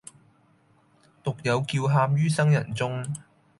獨有叫喊于生人中，